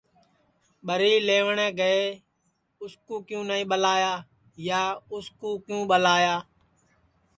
ٻری لئیوٹؔے گے اُس کُو کیوں نائی ٻلایا یا اُس کُو کیوں ٻلایا